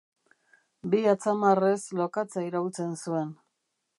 Bi atzamarrez lokatza iraultzen zuen.